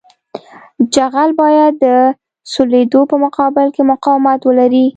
جغل باید د سولېدو په مقابل کې مقاومت ولري